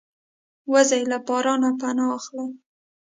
وزې له باران نه پناه اخلي